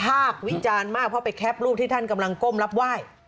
ภาควิจารณ์มากเพราะไปแคปรูปที่ท่านกำลังก้มรับไหว้